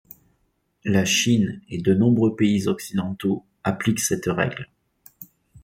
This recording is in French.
La Chine et de nombreux pays occidentaux appliquent cette règle.